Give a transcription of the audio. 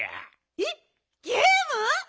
えっゲーム？